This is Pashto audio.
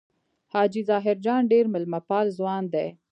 حاجي ظاهر جان ډېر مېلمه پال ځوان دی.